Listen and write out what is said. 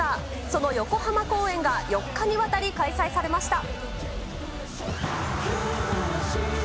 その横浜公演が４日にわたり開催されました。